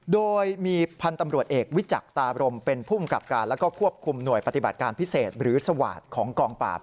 โดยมีพันธุ์ตำรวจเอกวิจักรตาบรมเป็นภูมิกับการแล้วก็ควบคุมหน่วยปฏิบัติการพิเศษหรือสวาสตร์ของกองปราบ